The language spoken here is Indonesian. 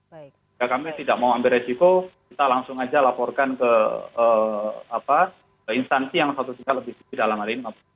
jika kami tidak mau ambil resiko kita langsung aja laporkan ke instansi yang satu tidak lebih tinggi dalam hal ini